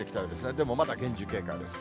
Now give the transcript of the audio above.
でもまだ厳重警戒です。